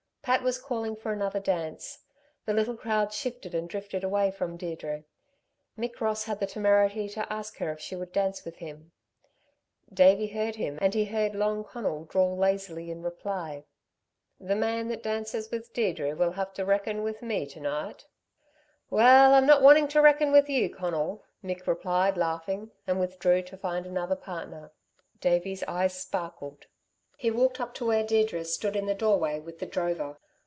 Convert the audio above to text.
Pat was calling for another dance. The little crowd shifted and drifted away from Deirdre. Mick Ross had the temerity to ask her if she would dance with him. Davey heard him, and he heard Long Conal drawl lazily in reply: "The man that dances with Deirdre will have to reck'n with me to night." "Well, I'm not wanting to reck'n with you, Conal," Mick replied, laughing, and withdrew to find another partner. Davey's eyes sparkled. He walked up to where Deirdre stood in the doorway with the drover.